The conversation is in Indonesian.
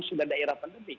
sudah daerah pendemik